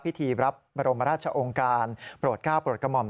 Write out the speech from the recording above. พิธีรับบรมราชองค์การโปรดก้าวโปรดกระหม่อม